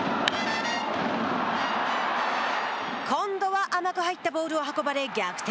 今度は甘く入ったボールを運ばれ逆転